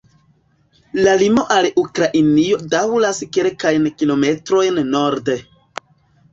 La limo al Ukrainio daŭras kelkajn kilometrojn norde.